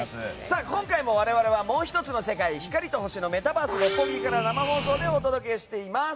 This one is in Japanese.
今回も我々は、もう１つの世界光と星のメタバース六本木から生放送でお届けしています。